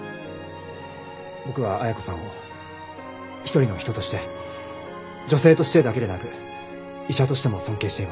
僕は綾子さんを一人の人として女性としてだけでなく医者としても尊敬しています。